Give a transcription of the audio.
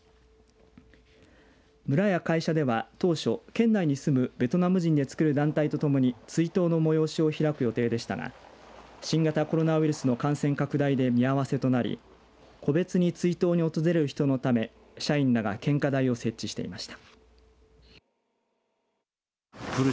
村や会社では当初県内に住むベトナム人でつくる団体とともに追悼の催しを開く予定でしたが新型コロナウイルスの感染拡大で見合わせとなり個別に追悼に訪れる人のため社員らが献花台を設置していました。